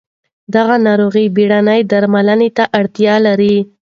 دغه ناروغي بېړنۍ درملنې ته اړتیا لري.